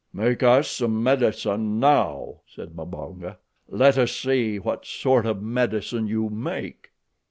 "Make us some medicine now," said Mbonga. "Let us see what sort of medicine you make."